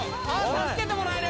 助けてもらえる。